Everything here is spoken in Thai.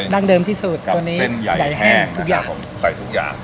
ั้งเดิมที่สุดตัวนี้เส้นใหญ่แห้งทุกอย่างผมใส่ทุกอย่าง